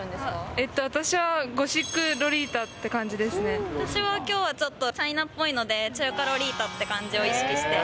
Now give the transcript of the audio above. えーと、私はゴシックロリー私はきょうはちょっと、チャイナっぽいので、中華ロリータって感じを意識して。